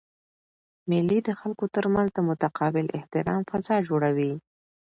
مېلې د خلکو ترمنځ د متقابل احترام فضا جوړوي.